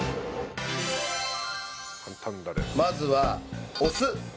まずはお酢。